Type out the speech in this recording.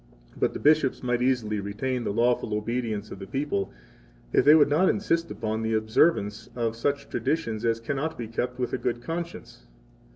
69 But the bishops might easily retain the lawful obedience of the people if they would not insist upon the observance of such traditions as cannot be kept with a good conscience.